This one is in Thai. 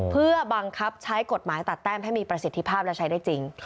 เพื่อบังคับใช้กฎหมายตัดแต้มให้มีประสิทธิภาพและใช้ได้จริง